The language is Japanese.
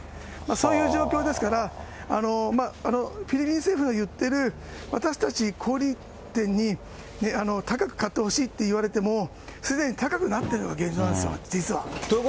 そういう状況ですから、フィリピン政府の言っている、私たち小売り店に、高く買ってほしいって言われても、すでに高くなってるのが現状なんですよ、実は。